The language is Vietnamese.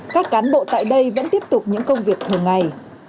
các cán bộ tại đây vẫn tiếp tục những công việc thường ngày